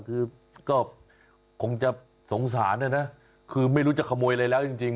คือก็คงจะสงสารนะนะคือไม่รู้จะขโมยอะไรแล้วจริง